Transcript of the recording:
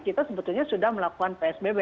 kita sebetulnya sudah melakukan psbb